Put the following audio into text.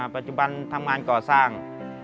ปัจจุบันทำงานก่อสร้าง